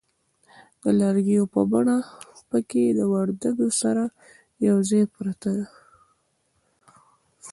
د لږکیو په بڼه پکښې د وردگو سره یوځای پرته